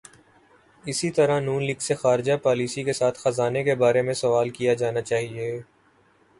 اسی طرح ن لیگ سے خارجہ پالیسی کے ساتھ خزانے کے بارے میں سوال کیا جانا چاہیے۔